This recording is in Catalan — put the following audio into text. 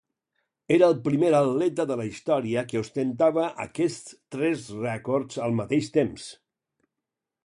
Era el primer atleta de la història que ostentava aquests tres rècords al mateix temps.